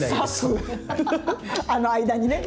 あの間にね